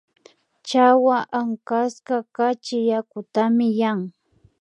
Chawa ankaska kachi yakutami yan